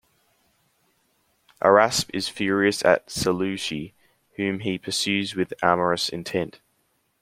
Araspe is furious at Seleuce, whom he pursues with amorous intent.